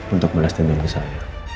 untuk melestani nelisa ya